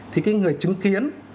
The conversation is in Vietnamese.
thì cái người chứng kiến